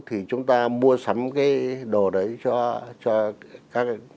thì chúng ta mua sắm cái đồ đấy cho các em nhỏ